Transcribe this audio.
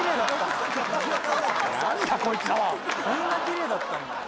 こんなきれいだったんだ。